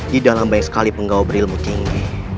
di dalam banyak sekali penggawa berilmu tinggi